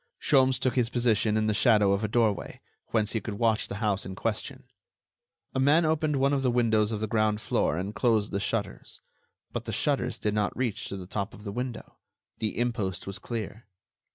Sholmes took his position in the shadow of a doorway, whence he could watch the house in question. A man opened one of the windows of the ground floor and closed the shutters. But the shutters did not reach to the top of the window. The impost was clear.